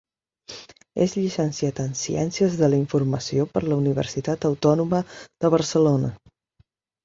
És llicenciat en Ciències de la Informació per la Universitat Autònoma de Barcelona.